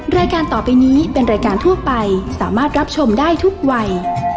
รายการต่อไปนี้เป็นรายการทั่วไปสามารถรับชมได้ทุกวัย